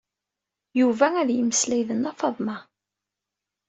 Yuba ad yemmeslay d Nna Faḍma.